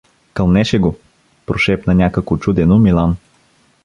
— Кълнеше го! — прошепна някак учудено Милан.